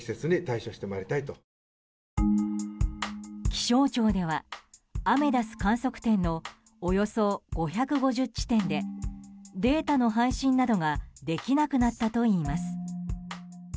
気象庁ではアメダス観測点のおよそ５５０地点でデータの配信などができなくなったといいます。